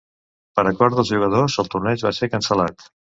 Per acord dels jugadors, el torneig va ser cancel·lat.